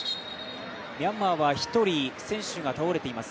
ミャンマーは１人選手が倒れています。